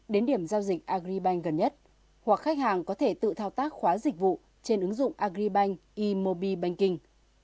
đến điểm giao dịch agribank gần nhất hoặc khách hàng có thể tự thao tác khóa dịch vụ trên ứng dụng agribank imobi banking